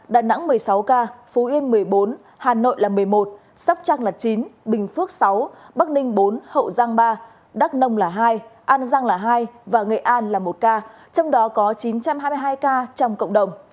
đà nẵng một mươi sáu ca phú yên một mươi bốn hà nội là một mươi một sóc trăng lật chín bình phước sáu bắc ninh bốn hậu giang ba đắk nông là hai an giang là hai và nghệ an là một ca trong đó có chín trăm hai mươi hai ca trong cộng đồng